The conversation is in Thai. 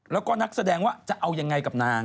แล้วก็นักแสดงว่าจะเอายังไงกับนาง